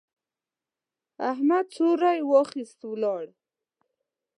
احمد څوری واخيست، ولاړ.